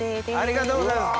ありがとうございます。